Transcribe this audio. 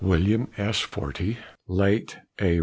William S. Fortey, (late A.